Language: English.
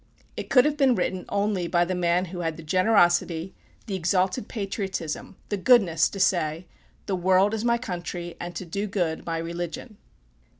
It could have been written only by the man who had the generosity, the exalted patriotism, the goodness to say, "The world is my country, and to do good my religion."